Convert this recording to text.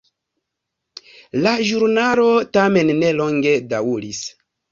La ĵurnalo tamen ne longe daŭris.